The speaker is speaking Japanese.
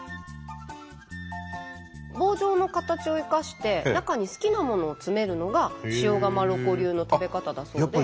棒状の形を生かして中に好きなものを詰めるのが塩釜ロコ流の食べ方だそうで。